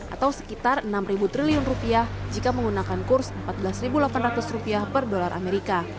atau sekitar enam triliun rupiah jika menggunakan kurs rp empat belas delapan ratus per dolar amerika